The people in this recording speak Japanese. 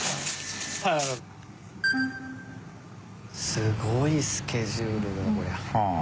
すごいスケジュールだこれは。